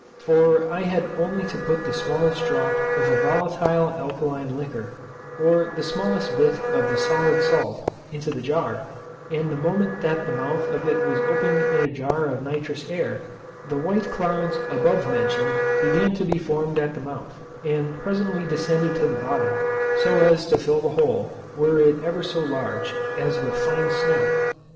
For I had only to put the smallest drop of a volatile alkaline liquor, or the smallest bit of the solid salt, into the jar, and the moment that the mouth of it was opened in a jar of nitrous air, the white clouds above mentioned began to be formed at the mouth, and presently descended to the bottom, so as to fill the whole, were it ever so large, as with fine snow.